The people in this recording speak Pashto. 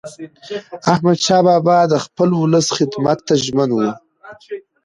احمدشاه بابا د خپل ولس خدمت ته ژمن و.